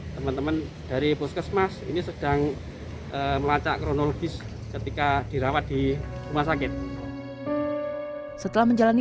jadi poskesmas ini sedang melacak kronologis ketika dirawat di rumah sakit setelah menjalani